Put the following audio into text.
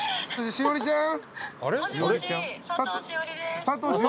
栞里ちゃん。